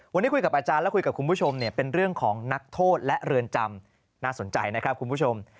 วันนี้คุยกับอาจารย์และคุยกับคุณผู้ชมเนี่ยเป็นเรื่องของนักโทษและเรือนจำน่าสนใจนะครับคุณผู้ชม